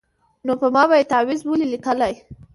نو په ما به یې تعویذ ولي لیکلای